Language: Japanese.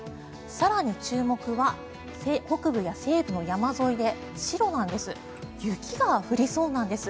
更に注目は北部や西部の山沿いで白なんです。